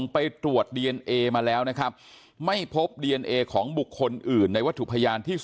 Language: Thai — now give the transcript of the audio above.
พี่ดูแลไม่ดีน้องหกก็เลยหายไป